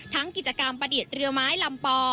กิจกรรมประดิษฐ์เรือไม้ลำปอ